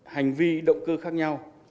hành vi động cơ khác nhau